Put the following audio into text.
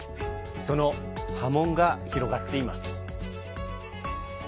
その波紋が広がっています。